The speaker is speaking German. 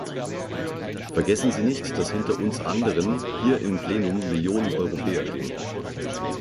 Vergessen Sie nicht, dass hinter uns anderen hier im Plenum Millionen Europäer stehen!